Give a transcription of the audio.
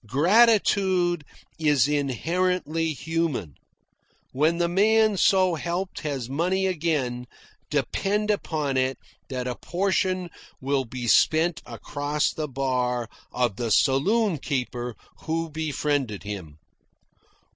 Gratitude is inherently human. When the man so helped has money again, depend upon it that a portion will be spent across the bar of the saloon keeper who befriended him.